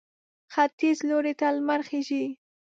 ختیځ لوري ته لمر خېژي.